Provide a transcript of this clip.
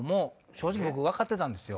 正直僕分かってたんですよ。